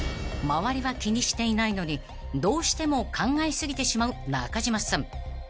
［周りは気にしていないのにどうしても考え過ぎてしまう中島さん］